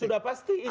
sudah pasti itu